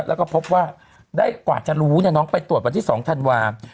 แล้วก็พบว่าได้กว่าจะรู้น้องไปตรวจวันที่๒ธันวาคม